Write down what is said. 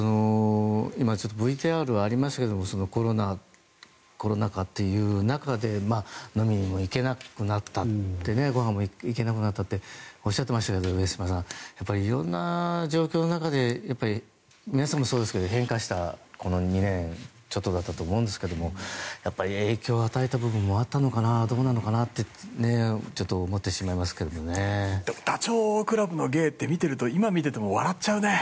今、ＶＴＲありましたけどコロナ禍という中で飲みにも行けなくなったってごはんも行けなくなったっておっしゃっていましたけども上島さん、いろんな状況の中で変化したこの２年ちょっとだったと思うんですけど影響を与えた部分もあったのかなどうなのかなってダチョウ倶楽部の芸って見ていると、今見てても笑っちゃうね。